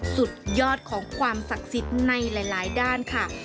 สุดยอดของความศักดิ์สิทธิ์ในหลายด้านค่ะ